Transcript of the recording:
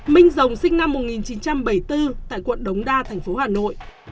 minh dòng sinh năm một nghìn chín trăm bảy mươi bốn tại quận đống đa thành phố hà nội